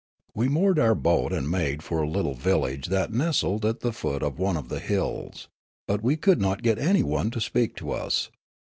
We moored our boat and made for a little vil lage that nestled at the foot of one of the hills ; but we could not get anyone to speak to us.